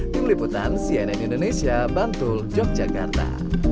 tim liputan cnn indonesia bantul yogyakarta